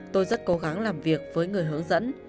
tôi rất cố gắng làm việc với người hướng dẫn